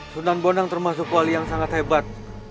sunan bonang termasuk wali yang sangat hebat